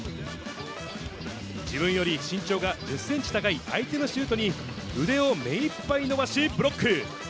自分より身長が１０センチ高い相手のシュートに、腕を目いっぱい伸ばしブロック。